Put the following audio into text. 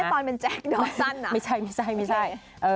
ไม่ใช่ตอนเป็นแจ็คดอสันเหรอโอเคไม่ใช่ไม่ใช่